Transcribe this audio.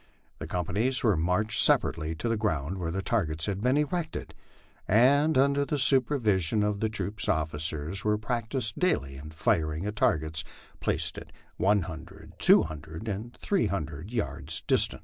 The companies were marched separately to the ground where the targets had been erected, and, under the supervision of the troop officers, were practised daily in firing at targets placed one hundred, two hundred, and three hundred yards distant.